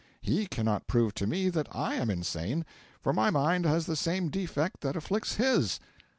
He cannot prove to me that I am insane, for my mind has the same defect that afflicts his.